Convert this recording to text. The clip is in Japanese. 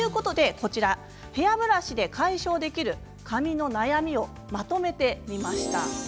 ヘアブラシで解消できる髪の悩みをまとめてみました。